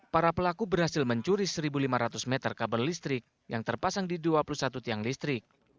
para pelaku berhasil mencuri satu lima ratus meter kabel listrik yang terpasang di dua puluh satu tiang listrik